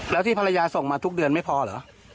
แล้วที่ภรรยาส่งมาทุกเดือนไม่พอเหรอ